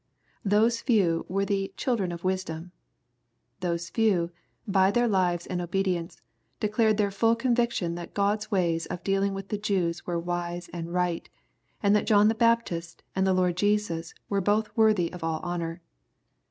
Those few were the "children of wisdom/' Those few, by their lives and obedience, declared their full conviction that God's ways of dealing with the Jews were wise and right, and that John the Baptist and the Lord Jesus were both worthy of all honor.